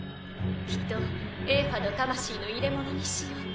きっとエーファの魂の入れ物にしようと。